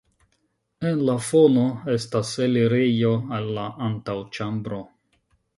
En la fono estas elirejo al la antaŭĉambro.